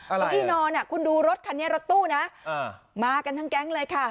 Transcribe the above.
แล้วที่นอนคุณดูรถคันนี้รถตู้นะมากันทั้งแก๊งเลยค่ะ